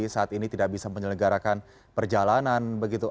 saat ini tidak bisa menyelenggarakan perjalanan begitu